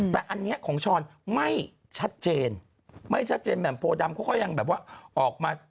แต่อันนี้ของช้อนไม่ชัดเจนไม่ชัดเจนแหม่มโพดำเขาก็ยังแบบว่าออกมา